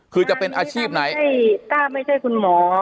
คือจะเป็นอาชีพไหนใช่ถ้าไม่ใช่คุณหมอ